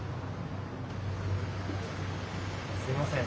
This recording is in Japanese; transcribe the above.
すみません。